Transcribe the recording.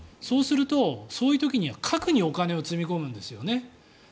そうすると、そういう時には核にお金をつぎ込むんですよね。